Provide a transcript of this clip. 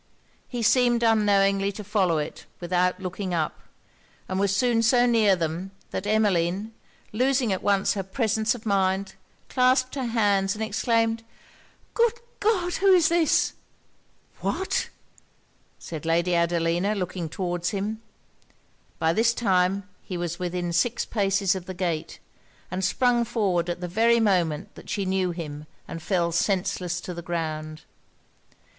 He seemed unknowingly to follow it, without looking up; and was soon so near them, that Emmeline, losing at once her presence of mind, clasped her hands, and exclaimed 'Good God! who is this?' 'What?' said Lady Adelina, looking towards him. By this time he was within six paces of the gate; and sprung forward at the very moment that she knew him, and fell senseless on the ground.